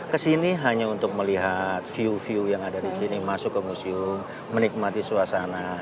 kesini hanya untuk melihat view view yang ada di sini masuk ke museum menikmati suasana